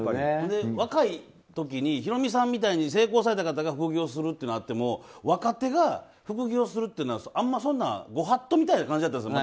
若い時にヒロミさんみたいに成功された方が副業するってなっても若手が副業するっていうのはあんまりご法度みたいな感じだったんですよ。